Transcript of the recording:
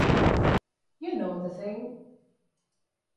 You know the thing.